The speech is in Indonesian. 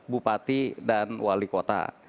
bupati dan wali kota